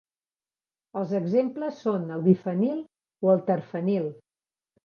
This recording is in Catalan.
Els exemples són el bifenil o el terfenil.